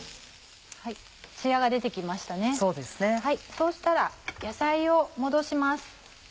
そうしたら野菜を戻します。